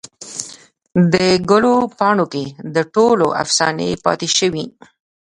دګلو پاڼوکې دټولو افسانې پاته شوي